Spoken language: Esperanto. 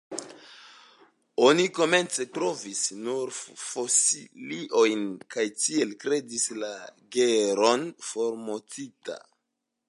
Oni komence trovis nur fosiliojn, kaj tiel kredis la genron formortinta.